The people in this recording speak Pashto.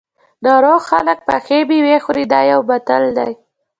ناروغ خلک پخې مېوې خوري دا یو متل دی.